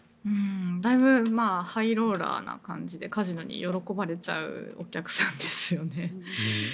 だいぶハイローラーな感じでカジノに喜ばれちゃうお客さんですよね。